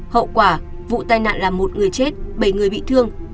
hậu quả vụ tai nạn là một người chết bảy người bị thương